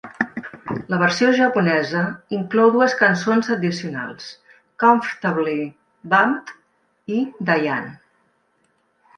La versió japonesa inclou dues cançons addicionals, "Comfortably Bummed" i "Diane".